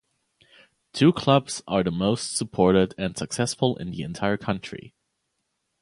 The two clubs are the most supported and successful in the entire country.